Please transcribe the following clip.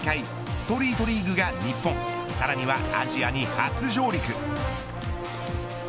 ストリートリーグが日本さらにはアジアに初上陸。